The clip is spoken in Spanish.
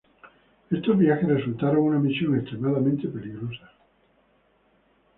Estos viajes resultaron una misión extremadamente peligrosa.